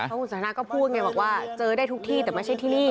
เพราะคุณสันทนาก็พูดไงบอกว่าเจอได้ทุกที่แต่ไม่ใช่ที่นี่